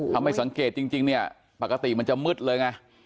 ถ้าไม่สังเกตจริงเนี่ยปกติมันจะมืดเลยไง